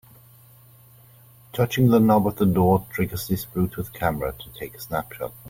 Touching the knob of the door triggers this Bluetooth camera to take a snapshot.